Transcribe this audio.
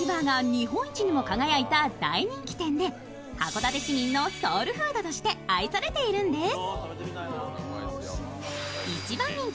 日本一にも輝いた大人気店で函館市民のソウルフードとして愛されているんです。